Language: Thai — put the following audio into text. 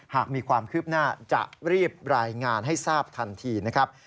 หากมีความคืบหน้าจะรีบรายงานให้ทราบทันทีนะครับ